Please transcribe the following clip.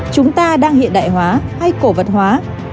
chúng ta đang hiện đại hóa hay cổ vật hóa